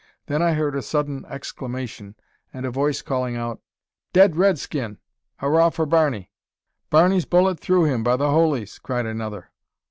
Then I heard a sudden exclamation, and a voice calling out "Dead red skin! Hurrah for Barney!" "Barney's bullet through him, by the holies!" cried another.